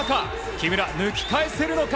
木村、抜き返せるのか？